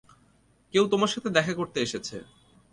কেউ তোমার সাথে দেখা করতে এসেছে।